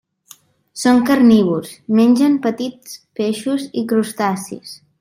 Són carnívors, mengen petits peixos i crustacis.